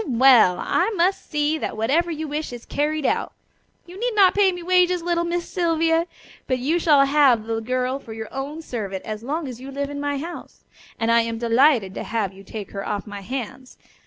Well! I must see that whatever you wish is carried out. You need not pay me wages, little Miss Sylvia, but you shall have the girl for your own servant as long as you live in my house, and I am delighted to have you take her off my hands.